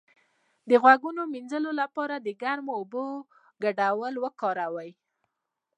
د غوږونو د مینځلو لپاره د ګرمو اوبو ګډول وکاروئ